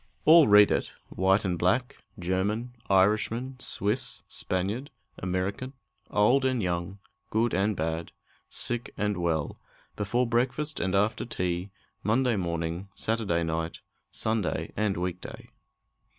All read it: white and black, German, Irishman, Swiss, Spaniard, American, old and young, good and bad, sick and well, before breakfast and after tea, Monday morning, Saturday night, Sunday and week day!